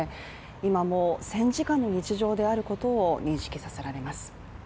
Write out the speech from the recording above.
今も戦時下の日常であることを認識させられます。